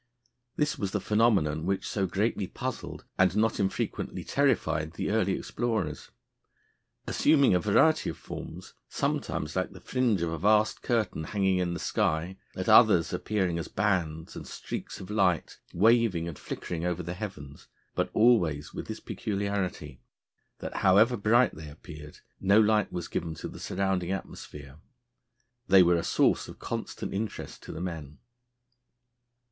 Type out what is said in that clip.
This was the phenomenon which so greatly puzzled, and not infrequently terrified, the early explorers. Assuming a variety of forms, sometimes like the fringe of a vast curtain hanging in the sky, at others appearing as bands and streaks of light, waving and flickering over the heavens, but always with this peculiarity, that however bright they appeared, no light was given to the surrounding atmosphere, they were a source of constant interest to the men.